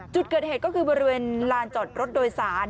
จุดเกิดเหตุก็คือบริเวณลานจอดรถโดยสาร